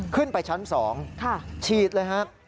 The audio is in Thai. ขึ้นไปชั้น๒ฉีดเลยครับ